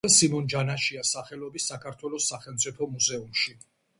მუშაობდა სიმონ ჯანაშიას სახელობის საქართველოს სახელმწოფო მუზუმში.